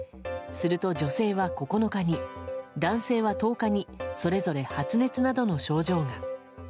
すると、女性は９日に男性は１０日にそれぞれ発熱などの症状が。